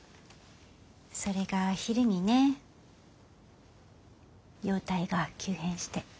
それが昼にね容体が急変して。